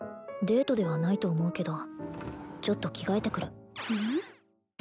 デートではないと思うけどちょっと着替えてくるうん？